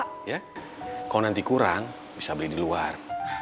kalau nanti kurang bisa beli di luar